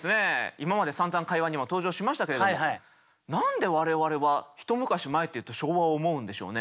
今までさんざん会話にも登場しましたけれども何で我々は一昔前っていうと昭和を思うんでしょうね。